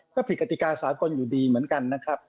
ก็ผิดกติกาสากลอยู่ดีเหมือนกันนะครับ